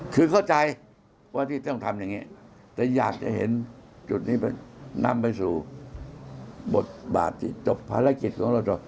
คือเข้าใจว่าที่ต้องทำอย่างนี้แต่อยากจะเห็นจุดนี้นำไปสู่บทบาทที่จบภารกิจของเราจบ